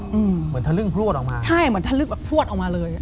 เหมือนทะลึ่งพลวดออกมาใช่เหมือนทะลึกแบบพลวดออกมาเลยอ่ะ